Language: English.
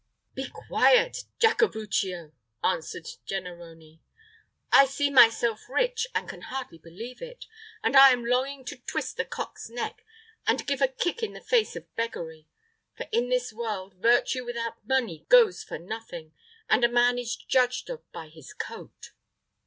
"Be quiet, Jacovuccio," answered Jennarone; "I see myself rich, and can hardly believe it; and I am longing to twist the cock's neck, and give a kick in the face of beggary; for in this world virtue without money goes for nothing, and a man is judged of by his coat."